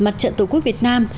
mặt trận tổ quốc việt nam